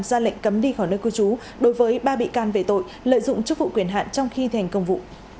ra lệnh cấm đi khỏi nơi cư trú đối với ba bị can về tội lợi dụng chức vụ quyền hạn trong khi thành công vụ